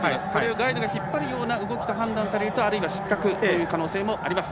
ガイドが引っ張るような動きと判断されると失格という可能性もあります。